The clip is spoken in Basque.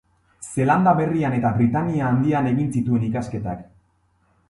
Zeelanda Berrian eta Britainia Handian egin zituen ikasketak.